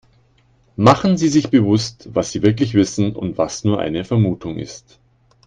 Machen Sie sich bewusst, was sie wirklich wissen und was nur eine Vermutung ist.